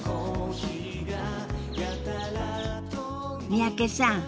三宅さん。